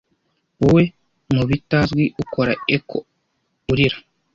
wowe mubitazwi ukora echo urira